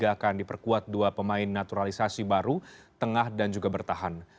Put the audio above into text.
akan diperkuat dua pemain naturalisasi baru tengah dan juga bertahan